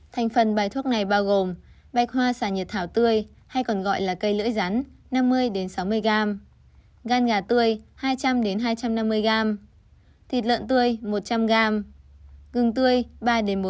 thành phần bài thuốc này bao gồm bạch hoa xà nhiệt thảo tươi hay còn gọi là cây lưỡi rắn năm mươi sáu mươi g gan gà tươi hai trăm linh hai trăm năm mươi g thịt lợn tươi một trăm linh g